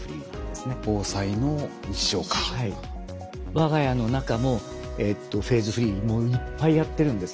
我が家の中もフェーズフリーいっぱいやってるんです。